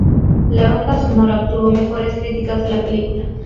La banda sonora obtuvo mejores críticas que la película.